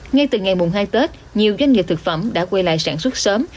ngay từ ngày mùng hai tết nhiều doanh nghiệp thực phẩm đã quay lại sản xuất sớm